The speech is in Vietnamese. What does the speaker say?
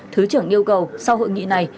thứ trưởng yêu cầu sau hội nghị này